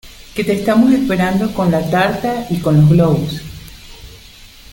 que te estamos esperando con la tarta y con los globos.